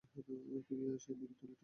ফিরিয়া আসিয়া দেখি, থলিটা চুরি গিয়াছে।